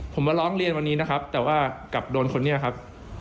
ผมมาร้องเรียนวันนี้นะครับแต่ว่ากลับโดนคนนี้ครับ